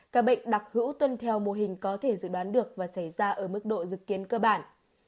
các bệnh đặc hữu tuân theo mô hình có thể dự đoán được và xảy ra ở mức độ dự kiến cơ bản